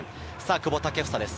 久保建英です。